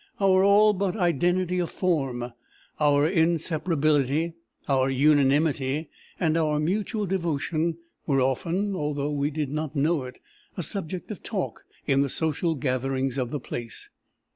"Our all but identity of form, our inseparability, our unanimity, and our mutual devotion, were often, although we did not know it, a subject of talk in the social gatherings of the place.